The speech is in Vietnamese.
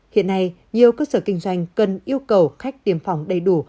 hiện nay nhiều cơ sở kinh doanh cần yêu cầu khách tiêm phòng đầy đủ